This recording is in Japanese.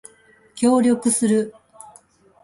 協力する